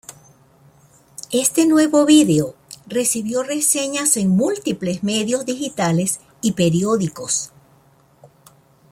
Este nuevo vídeo recibió reseñas en múltiples medios digitales y periódicos.